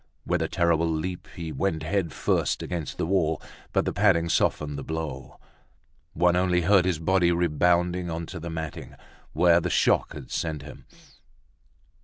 With a terrible leap, he went head first against the wall; but the padding softened the blow. One only heard his body rebounding onto the matting, where the shock had sent him.